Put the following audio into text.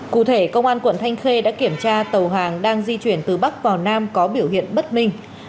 cụ thể công an quận thanh khê đã kiểm tra tàu hàng đang di chuyển từ bắc vào nam có biểu hiện bất minh